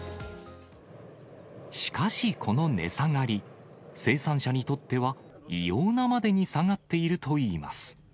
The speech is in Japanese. しかしこの値下がり、生産者にとっては、異様なまでに下がっているといいます。